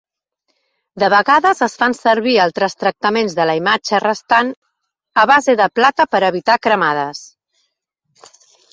De vegades es fan servir altres tractaments de la imatge restant a base de plata per evitar "cremades".